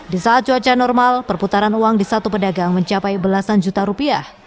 di saat cuaca normal perputaran uang di satu pedagang mencapai belasan juta rupiah